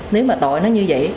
nếu mà tội nó như vậy